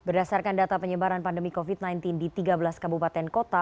berdasarkan data penyebaran pandemi covid sembilan belas di tiga belas kabupaten kota